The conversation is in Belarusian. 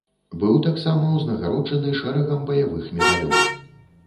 Быў таксама узнагароджаны шэрагам баявых медалёў.